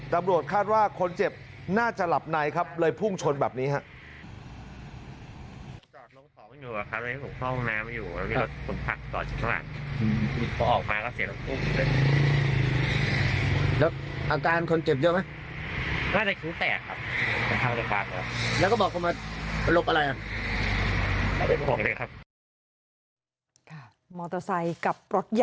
ตำรวจคาดว่าคนเจ็บน่าจะหลับในครับเลยพุ่งชนแบบนี้ครับ